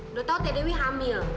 udah tahu teh dewi hamil